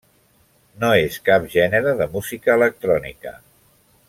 No és cap gènere de música electrònica.